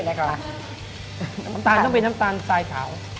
น้ำตาลน้ำตาลต้องเป็นน้ำตาลสายขาว